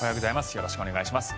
よろしくお願いします。